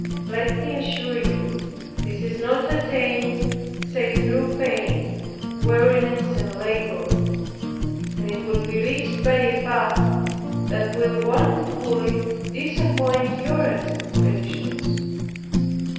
Let me assure you, this is not attained, save through pain, weariness and labor; and it will be reached by a path that will wonderfully disappoint your expectations.